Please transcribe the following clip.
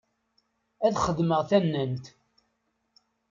Ad xedmeɣ tannant.